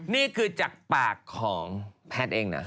นี่คือจากปากของแพทย์เองนะ